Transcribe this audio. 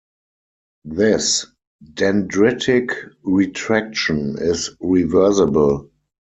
This dendritic retraction is reversible.